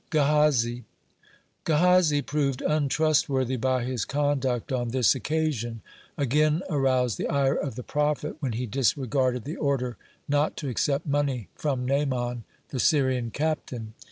(14) GEHAZI Gehazi, proved untrustworthy by his conduct on this occasion, again aroused the ire of the prophet when he disregarded the order not to accept money from Naaman, the Syrian captain.